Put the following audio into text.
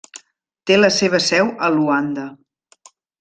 Té la seva seu a Luanda.